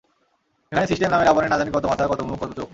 এখানে সিস্টেম নামে রাবণের না জানি কত মাথা, কত মুখ, কত চোখ।